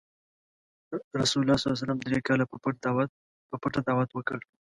رسول الله ﷺ دری کاله په پټه دعوت وکړ.